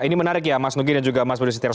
ini menarik ya mas nugi dan juga mas budi setiars